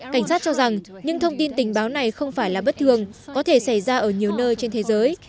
cảnh sát cho rằng những thông tin tình báo này không phải là bất thường có thể xảy ra ở nhiều nơi trên thế giới